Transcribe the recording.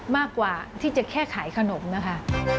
มากกว่าที่จะแค่ขายขนมนะคะ